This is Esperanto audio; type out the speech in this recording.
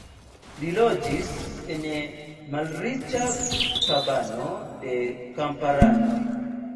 Li loĝis en malriĉa kabano de kamparanoj.